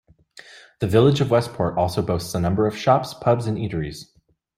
The Village of Westport also boasts a number of shops, pubs and eateries.